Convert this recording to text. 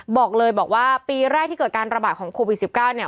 บอกเลยบอกว่าปีแรกที่เกิดการระบาดของโควิด๑๙เนี่ย